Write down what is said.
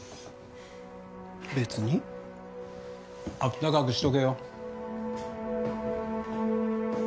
べつにあったかくしとけよ